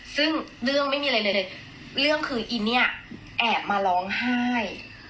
ซึ่งเรื่องไม่มีอะไรเลยเรื่องคืออินเนี่ยแอบมาร้องไห้